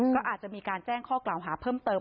ก็อาจจะมีการแจ้งข้อกล่าวหาเพิ่มเติม